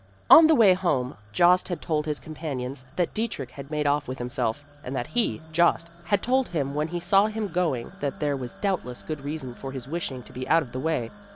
On the way home, Jost had told his companions that Dietrich had made off with himself, and that he, Jost, had told him when he saw him going that there was doubtless good reason for his wishing to be out of the way.